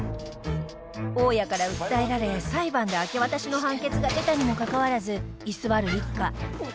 大家から訴えられ裁判で明け渡しの判決が出たにもかかわらず居座る一家